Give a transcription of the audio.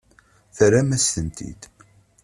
Terram-as-tent-id.